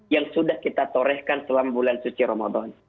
yang sudah kita torehkan selama bulan suci ramadan